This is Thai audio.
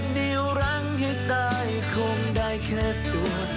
เดียวรังที่ตายคงได้แค่ตัว